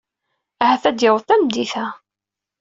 Ahat ad d-yaweḍ tameddit-a.